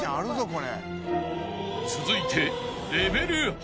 ［続いて］